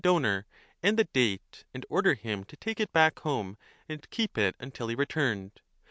2 1348* donor and the date and order him to take it back home and keep it until he returned.